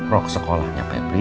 rok sekolahnya pebri